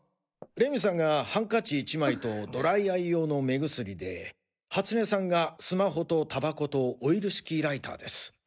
礼美さんがハンカチ１枚とドライアイ用の目薬で初根さんがスマホとタバコとオイル式ライターです。